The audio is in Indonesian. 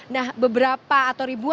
nah beberapa atau ribuan